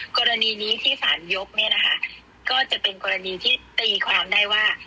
กรณีนี้ที่สารยกเนี่ยนะคะก็จะเป็นกรณีที่ตีความได้ว่า